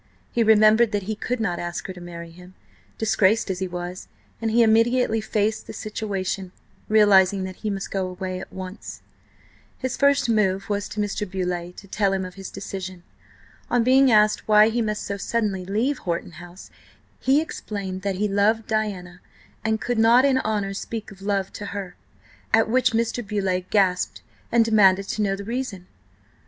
He remembered that he could not ask her to marry him, disgraced as he was, and he immediately faced the situation, realising that he must go away at once. His first move was to Mr. Beauleigh, to tell him of his decision. On being asked why he must so suddenly leave Horton House, he explained that he loved Diana and could not in honour speak of love to her. At which Mr. Beauleigh gasped and demanded to know the reason.